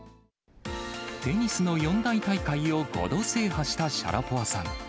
テニスの四大大会を５度制覇したシャラポワさん。